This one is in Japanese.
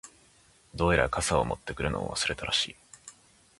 •どうやら、傘を持ってくるのを忘れたらしい。